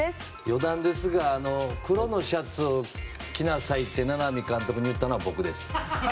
余談ですが黒のシャツを着なさいって名波監督に言ったのは僕です。